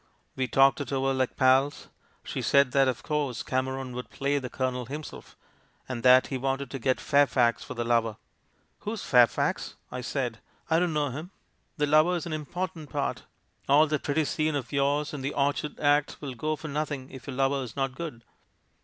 "We talked it over like pals. She said that, of course, Cameron would play the Colonel him self, and that he wanted to get Fairfax for the lover. " 'Who's Fairfax?' I said; 'I don't know him. The lover is an important part — all that pretty scene of yours in the Orchard Act will go for nothing if your lover's not good.'